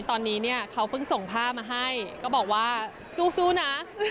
ตอนนี้เนี่ยเขาเพิ่งส่งผ้ามาให้ก็บอกว่าสู้นะ